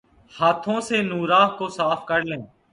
ہاتھوں سے نورہ کو صاف کرلیں